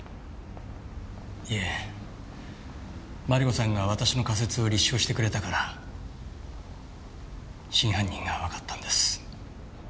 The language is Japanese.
いえマリコさんが私の仮説を立証してくれたから真犯人がわかったんです。